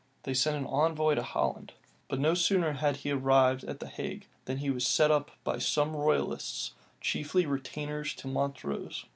They sent him envoy to Holland; but no sooner had he arrived at the Hague, than he was set upon by some royalists, chiefly retainers to Montrose.